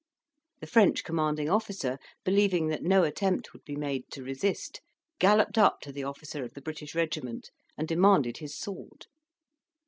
The French commanding officer, believing that no attempt would be made to resist, galloped up to the officer of the British regiment, and demanded his sword.